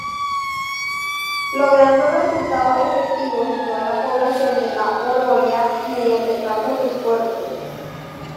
Logrando resultados efectivos en toda la población de La Oroya mediante tantos esfuerzos.